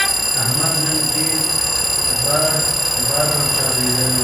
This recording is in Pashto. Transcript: احمد نن ډېر بړ بړ ږغېدل.